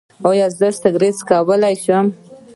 ایا زه سګرټ څکولی شم؟